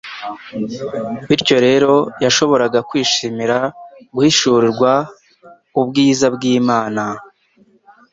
bityo rero, yashoboraga kwishimira guhishurirwa ubwiza bw'Imana